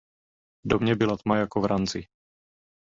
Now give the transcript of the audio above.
V domě byla tma jako v ranci.